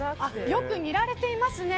よく煮られていますね。